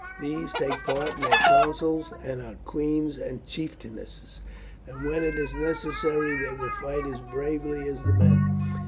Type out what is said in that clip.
These take part in their councils, and are queens and chieftainesses, and when it is necessary they will fight as bravely as the men.